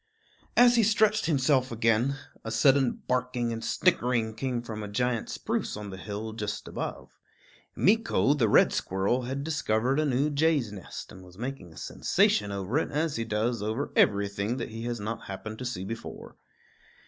As he stretched himself again, a sudden barking and snickering came from a giant spruce on the hill just above. Meeko, the red squirrel, had discovered a new jay's nest, and was making a sensation over it, as he does over everything that he has not happened to see before.